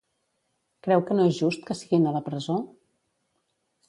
Creu que no és just que siguin a la presó?